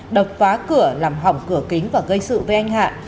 đập phá cửa làm hỏng cửa kính và gây sự với anh hạ